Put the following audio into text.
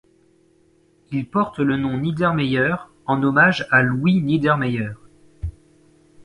Il porte le nom Niedermeyer, en hommage à Louis Niedermeyer.